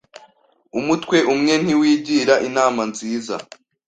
Umutwe umwe ntiwigira inama nziza.